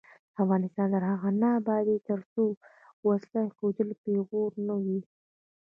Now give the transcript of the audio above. افغانستان تر هغو نه ابادیږي، ترڅو وسله ایښودل پیغور نه وي.